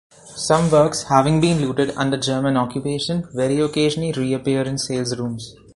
Some works, having been looted under German occupation, very occasionally reappear in sales-rooms.